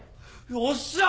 よっしゃー！